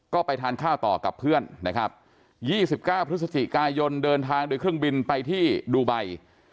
ก็ไปทานข้าวต่อกับเพื่อนนะครับ๒๙พฤศจิกายนเดินทางโดยเครื่องบินไปที่ดูไบ